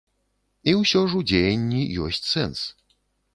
І ўсё ж у дзеянні ёсць сэнс.